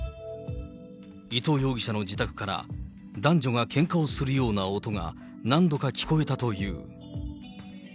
伊藤容疑者の自宅から、男女がけんかをするような音が何度か聞こえたという。